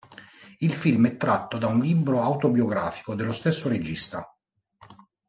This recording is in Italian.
Il film è tratto da un libro autobiografico dello stesso regista.